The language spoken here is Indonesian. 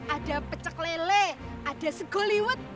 ada pecek lele ada segoliwut